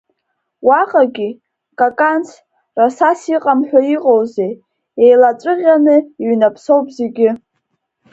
Уаҟагьы, каканс, расас иҟам ҳәа иҟоузеи, иеилаҵәыӷьаны иҩнаԥсоуп зегьы.